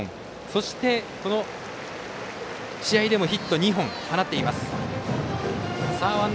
そして、この試合でもヒット２本放っています。